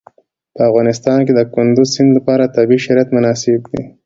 په افغانستان کې د کندز سیند لپاره طبیعي شرایط مناسب دي.